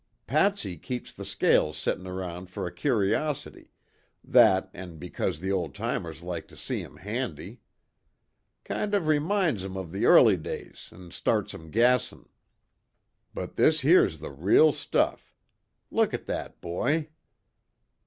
Patsy keeps the scales settin' around for a curiosity that, an' because the old timers likes to see 'em handy. Kind of reminds 'em of the early days an' starts 'em gassin'. But this here's the real stuff. Look at that boy."